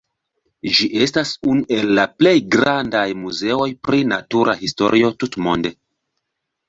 Ĝi estas unu el la plej grandaj muzeoj pri natura historio tutmonde.